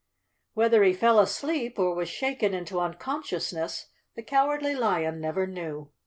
Whether he fell asleep, or was shaken into uncon¬ sciousness, the Cowardly Lion never knew.